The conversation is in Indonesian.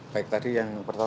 baik tadi yang pertama